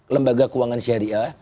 lembaga keuangan syariah